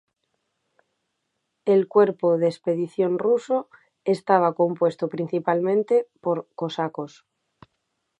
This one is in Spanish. El cuerpo de expedición ruso estaba compuesto principalmente por cosacos.